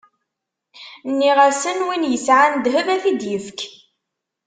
Nniɣ-asen: Win yesɛan ddheb, ad t-id-ifk!